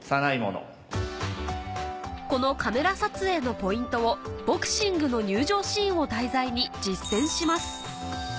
このカメラ撮影のポイントをボクシングの入場シーンを題材に実践します